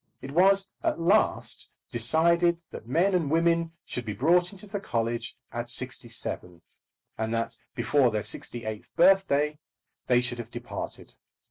It was at last decided that men and women should be brought into the college at sixty seven, and that before their sixty eighth birthday they should have departed.